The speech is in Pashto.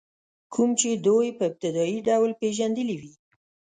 کوم چې دوی په ابتدایي ډول پېژندلي وي.